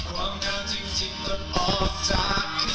ช่วยรักษาใจ